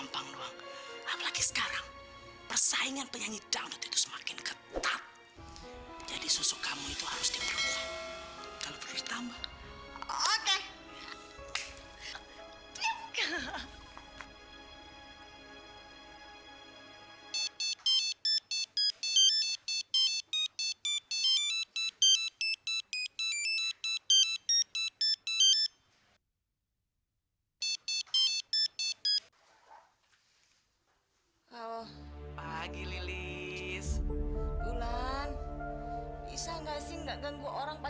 tahu oke bye bye hai nyanyi dandut kampung keluar tempat murahan loh keren lulus siapa